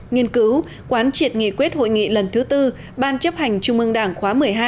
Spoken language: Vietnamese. nghiên cứu quán triệt nghị quyết hội nghị lần thứ tư ban chấp hành trung ương đảng khóa một mươi hai